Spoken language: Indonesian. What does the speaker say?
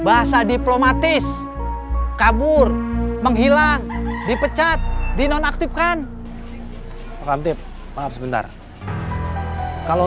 bahasa diplomatis kabur menghilang dipecat di nonaktifkan pak khamtib maaf sebentar kalau